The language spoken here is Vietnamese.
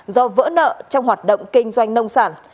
do vỡ nợ trong hoạt động kinh doanh nông sản